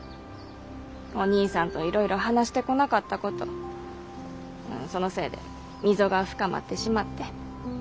お義兄さんといろいろ話してこなかったことそのせいで溝が深まってしまって。